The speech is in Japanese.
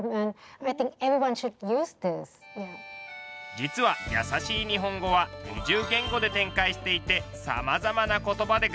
実は「やさしい日本語」は２０言語で展開していてさまざまな言葉で学習することができるんです。